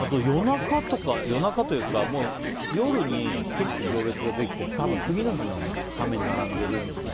夜中というか夜に結構、行列ができてて多分次の日のために並んでるとか。